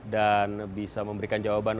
dan bisa memberikan jawaban